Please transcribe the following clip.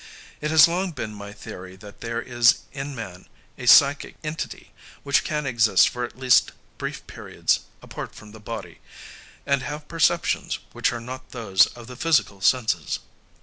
It has long been my theory that there is in man a psychic entity which can exist for at least brief periods apart from the body, and have perceptions which are not those of the physical senses.